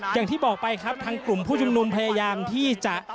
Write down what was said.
อย่างที่บอกไปครับทางกลุ่มผู้ชุมนุมพยายามที่จะ